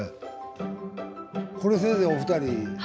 これ先生お二人。